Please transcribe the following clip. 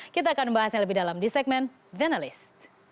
kita akan bahasnya lebih dalam di segmen the analyst